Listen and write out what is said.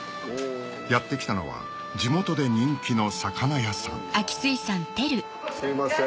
やって来たのは地元で人気の魚屋さんすいません。